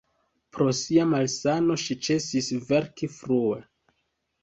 Pro sia malsano ŝi ĉesis verki frue.